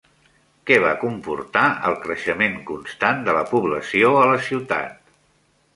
Què va comportar el creixement constant de la població a la ciutat?